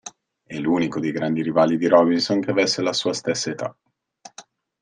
È l'unico dei grandi rivali di Robinson che avesse la sua stessa età.